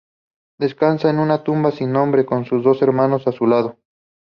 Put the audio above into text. Descansa en una tumba sin nombre, con sus dos hermanos a su lado.